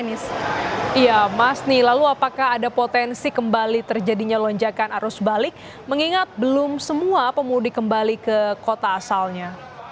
iya mas lalu apakah ada potensi kembali terjadinya lonjakan arus balik mengingat belum semua pemudik kembali ke kota asalnya